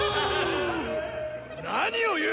何を言う！